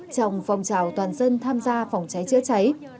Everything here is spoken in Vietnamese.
trong phong trào toàn dân tham gia phòng cháy chữa cháy